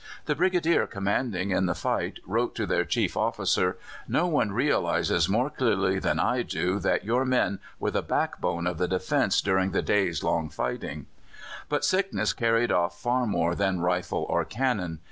The Brigadier commanding in the fight wrote to their chief officer: "No one realizes more clearly than I do that your men were the backbone of the defence during that day's long fighting." But sickness carried off far more than rifle or cannon.